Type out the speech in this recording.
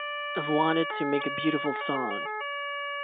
I've wanted to make a beautiful song.